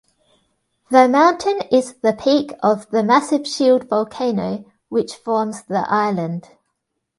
The mountain is the peak of the massive shield volcano which forms the island.